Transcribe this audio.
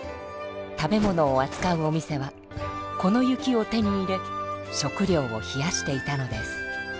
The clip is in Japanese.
食べ物をあつかうお店はこの雪を手に入れ食料を冷やしていたのです。